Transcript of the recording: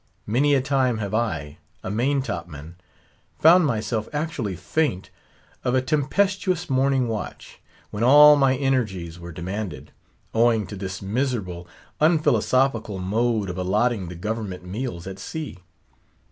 Many a time have I, a maintop man, found myself actually faint of a tempestuous morning watch, when all my energies were demanded—owing to this miserable, unphilosophical mode of allotting the government meals at sea.